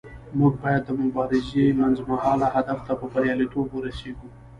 موږ باید د مبارزې منځمهاله هدف ته په بریالیتوب ورسیږو.